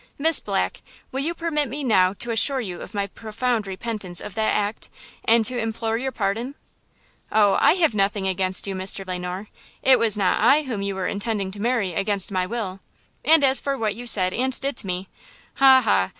Miss Black, will you permit me now to assure you of my profound repentance of that act and to implore your pardon?" "Oh, I have nothing against you, Mr. Le Noir. It was not I whom you were intending to marry against my will; and as for what you said and did to me, ha! ha!